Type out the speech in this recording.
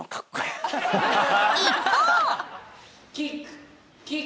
［一方］